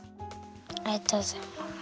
ありがとうございます。